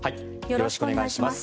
よろしくお願いします。